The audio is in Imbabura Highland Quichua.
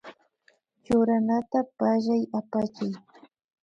Churanata pallay apachiy